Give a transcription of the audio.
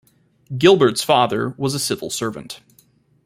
Gilbert's father was a civil servant.